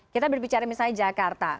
kita berbicara misalnya jakarta